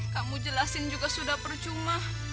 kamu jelasin juga sudah percuma